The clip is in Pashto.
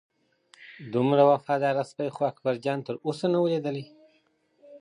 دومره وفاداره سپی خو اکبرجان تر اوسه نه و لیدلی.